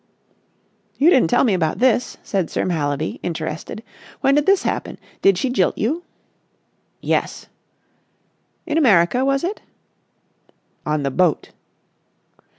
"You didn't tell me about this," said Sir Mallaby, interested. "When did this happen? Did she jilt you?" "Yes." "In America, was it?" "On the boat."